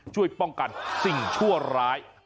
ช่วยป้องกันสิ่งชั่วร้าย